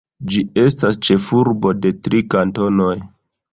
Ĝi estas ĉefurbo de tri kantonoj.